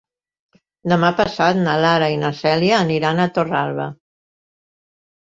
Demà passat na Lara i na Cèlia aniran a Torralba.